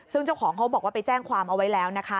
ซึ่งเจ้าของเขาบอกว่าไปแจ้งความเอาไว้แล้วนะคะ